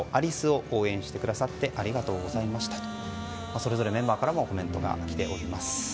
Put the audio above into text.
それぞれメンバーからもコメントが来ております。